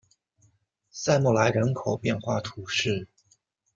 塞默莱人口变化图示